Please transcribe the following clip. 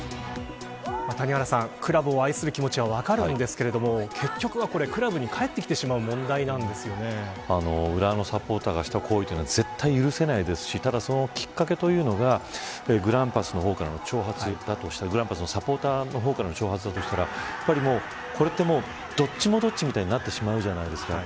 谷原さん、クラブを愛する気持ちは分かるんですけど結局はこれ、クラブに返ってきてしまう浦和のサポーターがした行為は絶対許されないですしただ、そのきっかけというのがグランパスの方からの挑発グランパスのサポーターからの挑発だとしたらこれでもどっちもどっちみたいになってしまうじゃないですか。